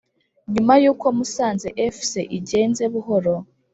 nyuma y’uko musanze fc igenze buhoro